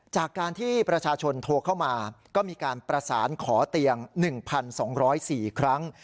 จากการที่ประชาชนโทรเข้ามาก็มีการประสานขอเตียง๑๒๐๔ครั้ง